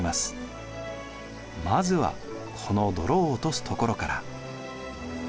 まずはこの泥を落とすところから。